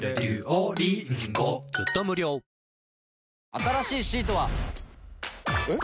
新しいシートは。えっ？